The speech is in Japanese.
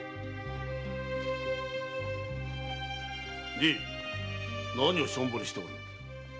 じい何をしょんぼりしておるのだ。